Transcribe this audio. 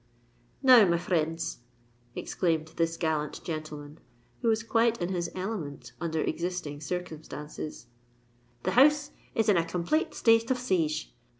"Now, my frinds," exclaimed this gallant gentleman, who was quite in his element under existing circumstances, "the house is in a complate state of siege!